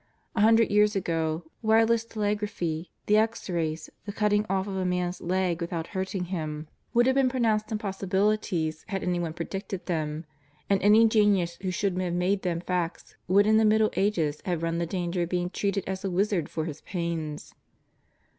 A hundred years ago, wireless telegraphy, the X rays, the cutting off of a man's leg without hurting him, would 128 JESUS OF NAZARETH. have been pronounced impossibilities bad anyone pre dicted tbem, and any genius who should have made them facts would in the Middle Ages have run the danger of being treated as a wizard for his pains.